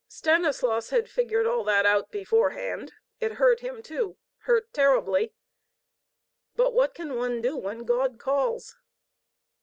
Stanislaus had figured all that out beforehand. It hurt him too, hurt terribly. But what can one do when God calls?